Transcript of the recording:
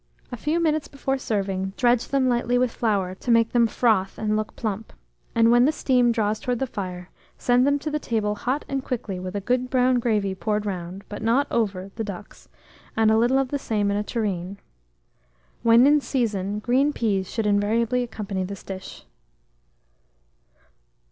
A few minutes before serving, dredge them lightly with flour, to make them froth and look plump; and when the steam draws towards the fire, send them to table hot and quickly, with a good brown gravy poured round, but not over the ducks, and a little of the same in a tureen. When in season, green peas should invariably accompany this dish.